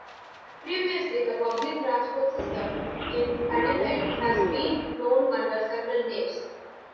Previously, the public transport system in Adelaide has been known under several names.